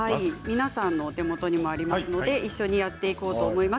皆さんのお手元にもありますので一緒にやっていこうと思います。